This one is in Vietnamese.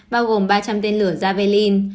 bao gồm ba trăm linh tên lửa javelin